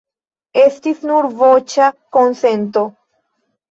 Estis nur voĉa konsento.